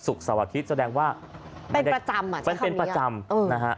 ศุกร์เสาร์อาทิตย์แสดงว่าเป็นประจำนะครับ